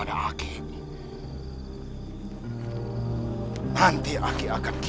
mas kita berhenti